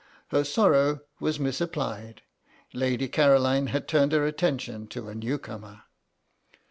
Her sorrow was misapplied; Lady Caroline had turned her attention to a newcomer.